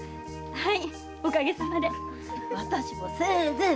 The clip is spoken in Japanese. はい。